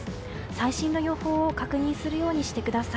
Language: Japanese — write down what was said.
最新の予報を確認するようにしてください。